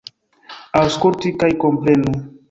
Aŭskultu kaj komprenu!